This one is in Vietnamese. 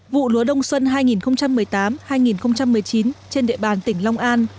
vụ lúa đông xuân hai nghìn một mươi tám hai nghìn một mươi chín trên địa bàn tỉnh long an